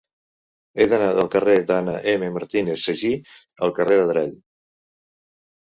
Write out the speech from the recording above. He d'anar del carrer d'Anna M. Martínez Sagi al carrer d'Adrall.